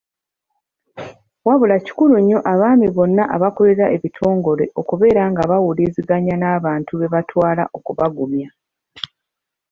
Wabula kikulu nnyo abaami bonna abakulira ebitongole okubeera nga bawuliziganya n'abantu be batwala okubagumya.